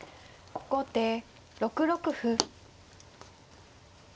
後手６六歩。